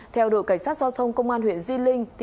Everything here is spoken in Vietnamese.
theo đội cảnh sát giao thông công an huyện di linh